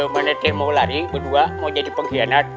menetap mulai kedua mau jadi pengkhianat